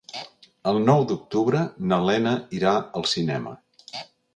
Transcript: El nou d'octubre na Lena irà al cinema.